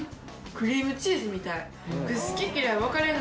クリームチーズみたい。